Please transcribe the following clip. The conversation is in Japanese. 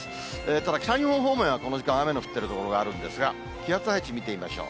ただ、北日本方面はこの時間、雨の降ってる所があるんですが、気圧配置見てみましょう。